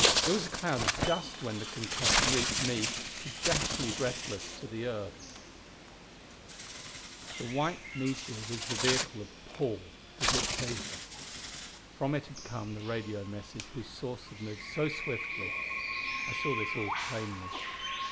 It was a cloud of dust when the concussion reached me to dash me breathless to the earth.... The white meteor was the vehicle of "Paul," the dictator. From it had come the radio message whose source had moved so swiftly. I saw this all plainly.